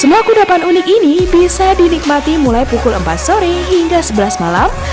semua kudapan unik ini bisa dinikmati mulai pukul empat sore hingga sebelas malam